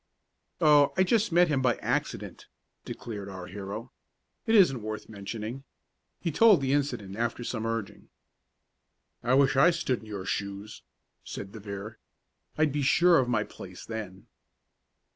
"Oh, I just met him by accident," declared our hero. "It isn't worth mentioning." He told the incident after some urging. "I wish I stood in your shoes," said De Vere. "I'd be sure of my place then."